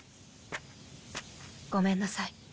ごめんなさい。